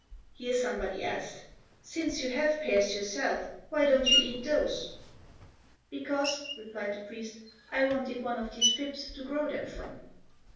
Here somebody asked, "Since you have pears yourself, why don't you eat those?" "Because," replied the priest, "I wanted one of these pips to grow them from."